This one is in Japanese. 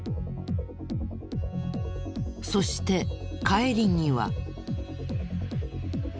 そして帰り際。